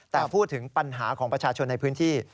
แต่พูดถึงปัญหาของประชาชนในพื้นที่